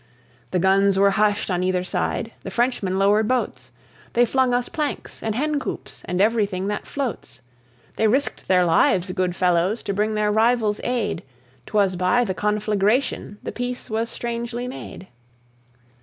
The guns were hushed on either side, the Frenchmen lowered boats, They flung us planks and hen coops, and everything that floats. They risked their lives, good fellows! to bring their rivals aid. Twas by the conflagration the peace was strangely made.